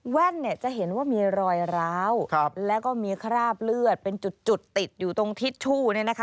แว่นเนี่ยจะเห็นว่ามีรอยร้าวแล้วก็มีคราบเลือดเป็นจุดติดอยู่ตรงทิชชู่เนี่ยนะคะ